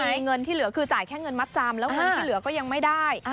เงินที่เหลือคือจ่ายแค่เงินมัดจำแล้วเงินที่เหลือก็ยังไม่ได้